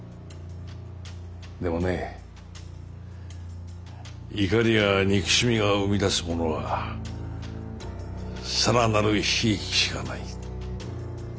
でもね怒りや憎しみが生み出すものは更なる悲劇しかない。